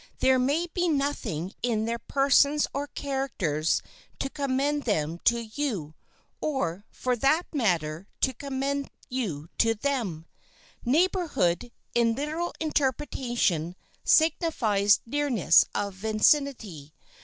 There may be nothing in their persons or characters to commend them to you, or for that matter, to commend you to them. "Neighborhood" in literal interpretation signifies nearness of vicinity.